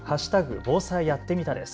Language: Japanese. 防災やってみたです。